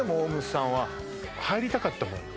さんは入りたかった？